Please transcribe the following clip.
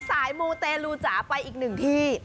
มูเตลูจ๋าไปอีกหนึ่งที่